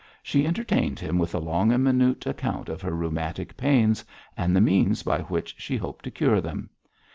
She entertained him with a long and minute account of her rheumatic pains and the means by which she hoped to cure them.